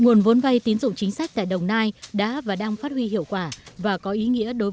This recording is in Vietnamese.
nguồn vốn vai tín dụng chính sách tại đồng nai đã và đang phát huy hiệu quả và có ý nghĩa đối với các tỉnh